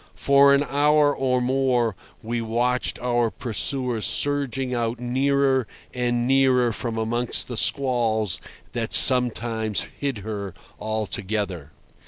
For an hour or more we watched our pursuer surging out nearer and nearer from amongst the squalls that sometimes hid her altogether.